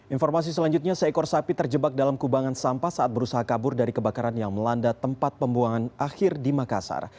informasi selanjutnya seekor sapi terjebak dalam kubangan sampah saat berusaha kabur dari kebakaran yang melanda tempat pembuangan akhir di makassar